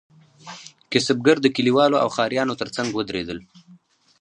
کسبګر د کلیوالو او ښاریانو ترڅنګ ودریدل.